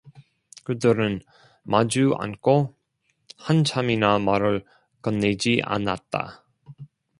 그들은 마주 앉고 한참이나 말을 건네지 않았다.